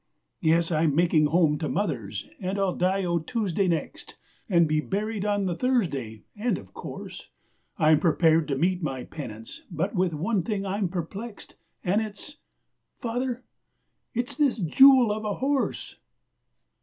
'Yes, I'm making home to mother's, and I'll die o' Tuesday next An' be buried on the Thursday and, of course, I'm prepared to meet my penance, but with one thing I'm perplexed And it's Father, it's this jewel of a horse!